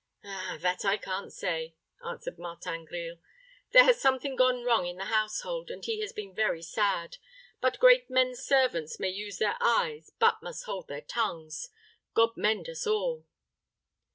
"Ah, that I can't say," answered Martin Grille. "There has something gone wrong in the household, and he has been very sad; but great men's servants may use their eyes, but must hold their tongues. God mend us all."